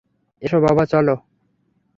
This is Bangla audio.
এসো, বাবা, চলো।